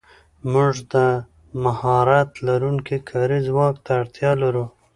موږ د مهارت لرونکي کاري ځواک ته اړتیا لرو.